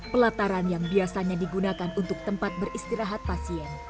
pelataran yang biasanya digunakan untuk tempat beristirahat pasien